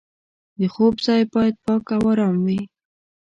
د خوب ځای باید پاک او ارام وي.